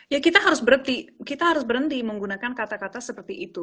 ya kita harus berhenti menggunakan kata kata seperti itu